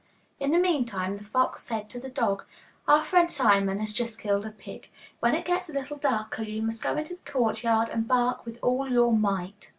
In the meantime the fox said to the dog, 'Our friend Simon has just killed a pig; when it gets a little darker, you must go into the courtyard and bark with all your might.